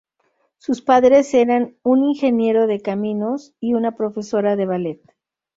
Sus padres eran un ingeniero de caminos y una profesora de ballet.